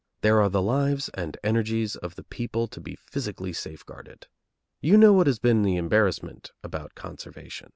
There are the lives and energies of the people to be physically safeguarded. You know what has been the embarrassment about conservation.